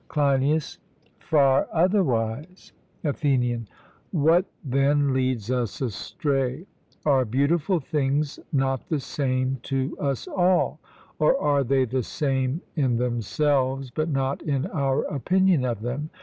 CLEINIAS: Far otherwise. ATHENIAN: What, then, leads us astray? Are beautiful things not the same to us all, or are they the same in themselves, but not in our opinion of them?